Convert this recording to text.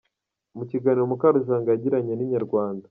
Mu kiganiro Mukarujanga yagiranye na Inyarwanda.